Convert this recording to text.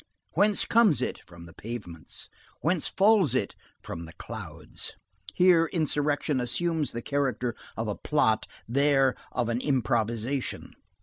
Whence comes it? From the pavements. Whence falls it? From the clouds. Here insurrection assumes the character of a plot; there of an improvisation.